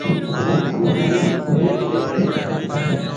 جڪو ايٿ مهيَ ڪنيَ هيَ۔